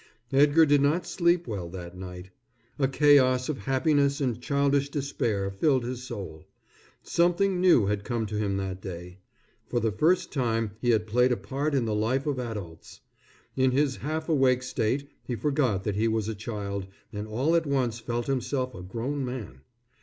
Edgar did not sleep well that night. A chaos of happiness and childish despair filled his soul. Something new had come to him that day. For the first time he had played a part in the life of adults. In his half awake state he forgot that he was a child and all at once felt himself a grown man.